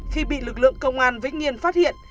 khi bị lực lượng công an vĩnh nhiên phát hiện